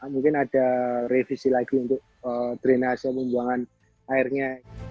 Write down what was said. mungkin ada revisi lagi untuk drenase pembuangan airnya